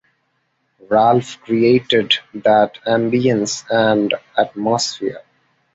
Ralph created that ambience and atmosphere.